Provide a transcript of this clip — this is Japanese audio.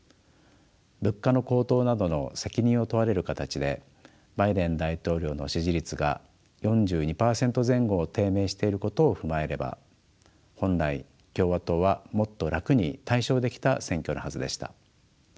物価の高騰などの責任を問われる形でバイデン大統領の支持率が４２％前後を低迷していることを踏まえれば本来共和党はもっと楽に大勝できた選挙のはずでした。